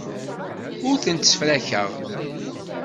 Ur tent-ssefrakeɣ.